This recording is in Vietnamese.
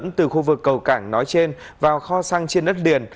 đường ống dẫn từ khu vực cầu cảng nói trên vào kho xăng trên đất liền